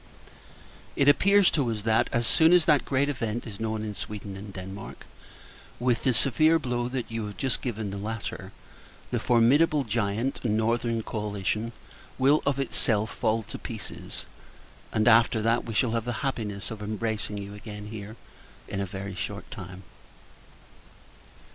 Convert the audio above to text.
It appears to us that, as soon as that great event is known in Sweden and Denmark, with the severe blow you have just given the latter, the formidable giant, Northern Coalition, will of itself fall to pieces; and that we shall have the happiness of embracing you again here, in a very short time.